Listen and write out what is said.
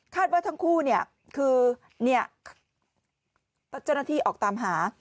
คาดว่าทั้งคู่เนี่ยคือตัวจนที่ออกตามหา